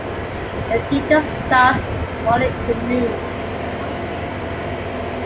The theater starts from morning til noon.